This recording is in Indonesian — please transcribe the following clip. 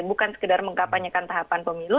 bukan sekedar mengkapanyekan tahapan pemilu